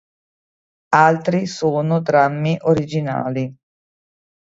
Altri sono drammi originali.